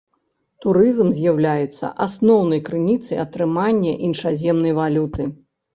Турызм з'яўляецца асноўнай крыніцай атрымання іншаземнай валюты.